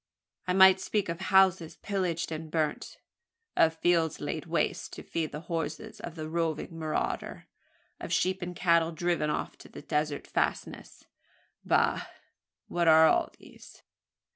I might speak of houses pillaged and burnt; of maize fields laid waste to feed the horses of the roving marauder; of sheep and cattle driven off to desert fastnesses; bah! what are all these?